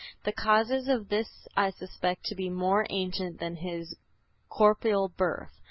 The causes of this I suspect to be more ancient than this corporeal birth."